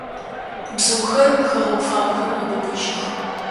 Бзыухэр хэгъэгу фабэхэм мэбыбыжьых.